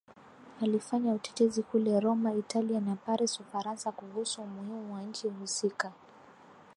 Alifanya utetezi kule Roma Italia na Paris Ufaransa kuhusu umuhimu wa nchi husika